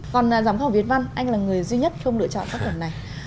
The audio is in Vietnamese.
còn giám khảo việt văn anh là người duy nhất không lựa chọn pháp luật này